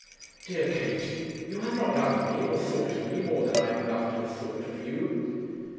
'Dear Katie, you have not loved me, or thought of me, more than I have loved and thought of you.'